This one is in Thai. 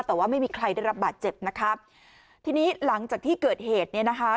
แต่ว่าไม่มีใครได้รับบาดเจ็บนะคะทีนี้หลังจากที่เกิดเหตุเนี่ยนะคะ